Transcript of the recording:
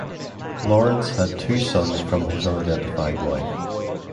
Lawrence had two sons from his unidentified wife.